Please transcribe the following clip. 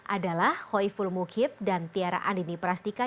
adalah hoi fulmukhip dan tiara andini prastika